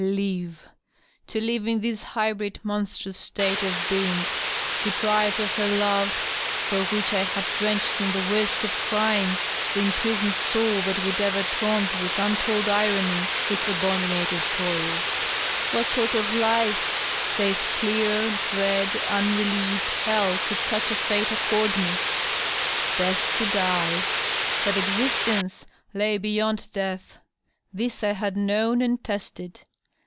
Live ! To live in this hybrid, monstrous state of being, deprived of her love, for which I had drenched in the worst of crime the imprisoned soul that would ever taunt with untold irony its abominated toils, — what sort of life save clear, dread, unrelieved hell could such a fate accord me? Best to die! .. But existence lay beyond death — ^this I had known and tested.